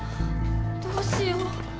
どうしよう。